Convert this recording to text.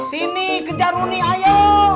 sini kejar runi ayo